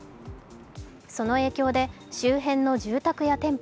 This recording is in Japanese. その影響で周辺の住宅や店舗